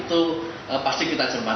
itu pasti kita cermati siapa